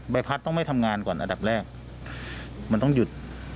พัดต้องไม่ทำงานก่อนอันดับแรกมันต้องหยุด